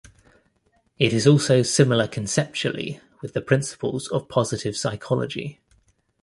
It is also similar conceptually with the principles of positive psychology.